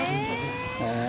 へえ。